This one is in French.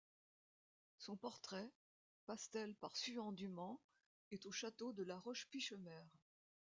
Son portrait, pastel par Suhan, du Mans, est au château de la Roche-Pichemer.